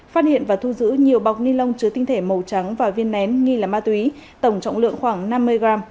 phát hiện và thu giữ nhiều bọc ni lông chứa tinh thể màu trắng và viên nén nghi là ma túy tổng trọng lượng khoảng năm mươi g